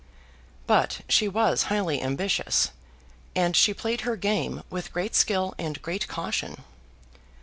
But she was highly ambitious, and she played her game with great skill and great caution.